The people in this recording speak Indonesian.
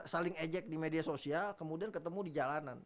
saling ejek di media sosial kemudian ketemu di jalanan